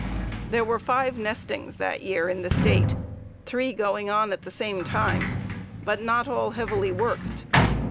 There were five nestings that year in the State, three going on at the same time, but all not heavily worked.